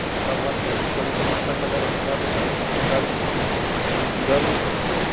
د افغانستان د اقتصادي پرمختګ لپاره پکار ده چې تخنیکي کارګر وي.